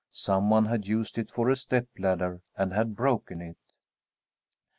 Some one had used it for a step ladder, and had broken it.